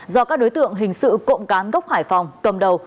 do các đối tượng hình sự cộng cán gốc hải phòng cầm đầu